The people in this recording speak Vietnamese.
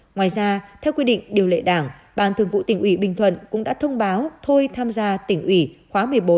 ngoài ra theo quy định điều lệ đảng ban thường vụ tỉnh ủy bình thuận cũng đã thông báo thôi tham gia tỉnh ủy khóa một mươi bốn